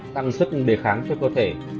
tăng sức đề kháng cho cơ thể